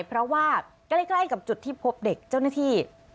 เพราะว่าใกล้กับจุดที่พบเด็กเจ้าหน้าที่